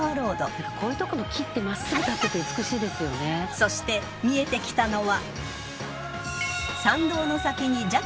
［そして見えてきたのは］